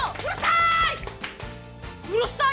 うるさい！